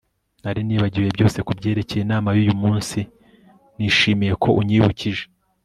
Nari nibagiwe byose kubyerekeye inama yuyu munsi Nishimiye ko unyibukije